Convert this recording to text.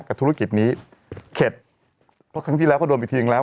ธุรกิจนี้เข็ดเพราะครั้งที่แล้วก็โดนไปทิ้งแล้ว